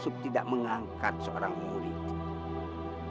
untuk tidak mengangkat seorang murid